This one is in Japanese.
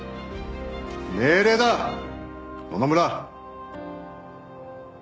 命令だ野々村！